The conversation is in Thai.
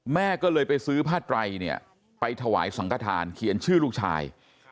แม่ก็เลยไปซื้อผ้าไตรเนี่ยไปถวายสังขทานเขียนชื่อลูกชาย